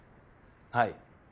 はい。